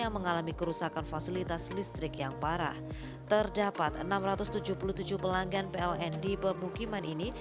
yang mengalami kerusakan fasilitas listrik yang parah terdapat enam ratus tujuh puluh tujuh pelanggan pln di pemukiman ini